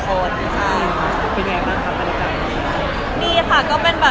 เป็นไงด้วยกันนะก็ได้กลาย